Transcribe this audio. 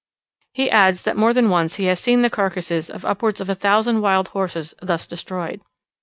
He adds that more than once he has seen the carcasses of upwards of a thousand wild horses thus destroyed.